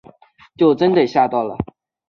就真的吓到了